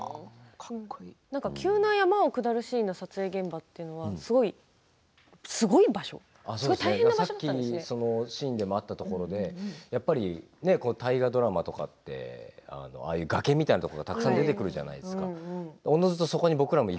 山を下るシーンの撮影現場はすごい場所さっきのシーンでもあった場所で大河ドラマとかってああいう崖みたいなところがたくさん出てくるじゃないですか。